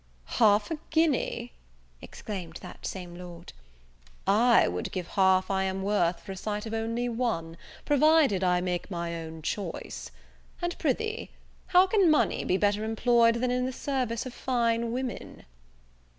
"Half a guinea!" exclaimed that same Lord, "I would give half I am worth for a sight of only one, provided I make my own choice. And, prithee, how can money be better employed than in the service of fine women?"